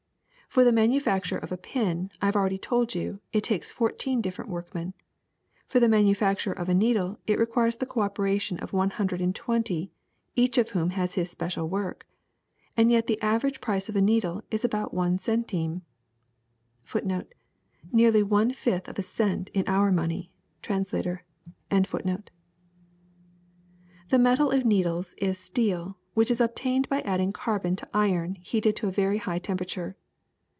For the manu facture of a pin, I have already told you, it takes fourteen different workmen ; for the manufacture of a needle it requires the cooperation of one hundred and twenty, each of whom has his special work. And yet the average price of a needle is about one cen time. ^ '^The metal of needles is steel, which is obtained by adding carbon to iron heated to a very high temperature.